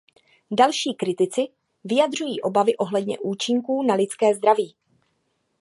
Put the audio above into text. Další kritici vyjadřují obavy ohledně účinků na lidské zdraví.